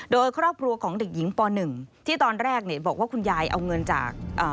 โดยครอบครัวของเด็กหญิงป๑ที่ตอนแรกเนี่ยบอกว่าคุณยายเอาเงินจาก